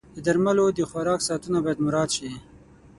د درملو د خوراک ساعتونه باید مراعت شي.